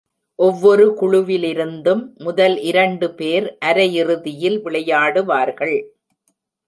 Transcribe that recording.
ஒவ்வொரு குழுவிலிருந்தும் முதல் இரண்டு பேர் அரையிறுதியில் விளையாடுவார்கள்.